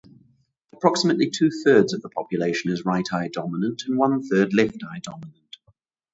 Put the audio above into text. Approximately two-thirds of the population is right-eye dominant and one-third left-eye dominant.